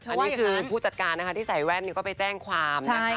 อันนี้คือผู้จัดการนะคะที่ใส่แว่นก็ไปแจ้งความนะคะ